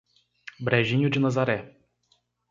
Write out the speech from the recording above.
Brejinho de Nazaré